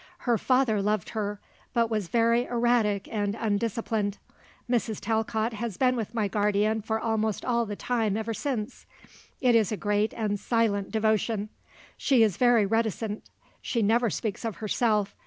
Her father loved her, but was very erratic and undisciplined. Mrs. Talcott has been with my guardian for almost all the time ever since. It is a great and silent devotion. She is very reticent. She never speaks of herself.